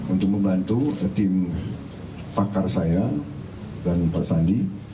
untuk membantu tim pakar saya dan pak sandi